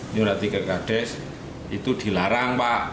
nyurati ke kades itu dilarang pak